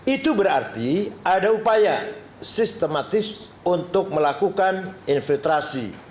itu berarti ada upaya sistematis untuk melakukan infiltrasi